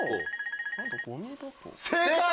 正解！